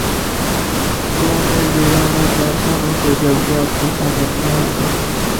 تو انہیں دیرینہ کارکنوں کے جذبات کو سمجھنا ہو گا۔